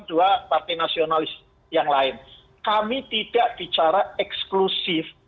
dua partai nasionalis yang lain kami tidak bicara eksklusif